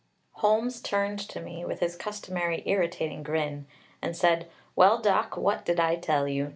Holmes turned to me, with his customary irritating grin, and said: "Well, Doc; what did I tell you?